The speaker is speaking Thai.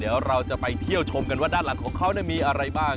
เดี๋ยวเราจะไปเที่ยวชมกันว่าด้านหลังของเขามีอะไรบ้าง